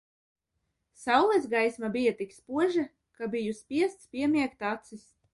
Saules gaisma bija tik spoža, ka biju spiests piemiegt acis.